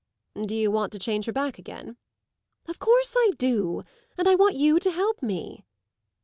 "Do you want to change her back again?" "Of course I do, and I want you to help me."